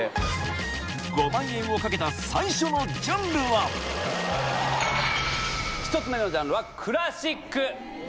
５万円を懸けた最初のジャンルは１つ目のジャンルは「クラシック」。